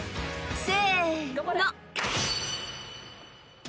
［せの］